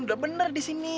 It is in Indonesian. lu udah bener di sini